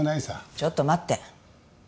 ちょっと待って。